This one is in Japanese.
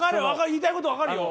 言いたいこと分かるよ。